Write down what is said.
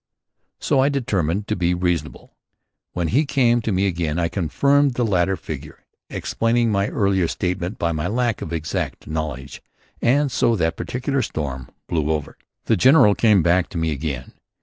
So I determined to be reasonable. When he came to me again I confirmed the latter figure, explaining my earlier statement by my lack of exact knowledge. And so that particular storm blew over. The general came back to me again.